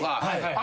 あ！